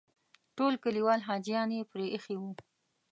ټول کلیوال حاجیان یې پرې ایښي وو.